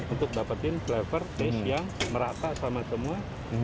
untuk dapetin flavor base yang merata sama semua